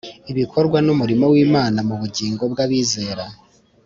Ibikorwa n'umurimo w'Imana mu bugingo bw'abizera,